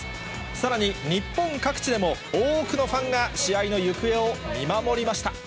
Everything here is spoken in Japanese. さらに日本各地でも、多くのファンが試合の行方を見守りました。